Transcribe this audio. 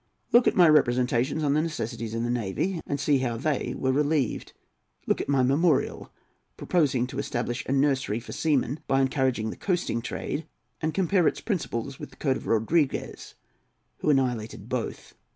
Look at my representations on the necessities of the navy, and see how they were relieved. Look at my memorial, proposing to establish a nursery for seamen by encouraging the coasting trade, and compare its principles with the code of Rodriguez, which annihilated both.